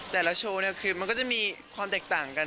โชว์เนี่ยคือมันก็จะมีความแตกต่างกัน